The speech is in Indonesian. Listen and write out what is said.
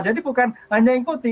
jadi bukan hanya ikuti